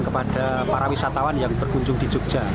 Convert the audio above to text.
kepada para wisatawan yang berkunjung di jogja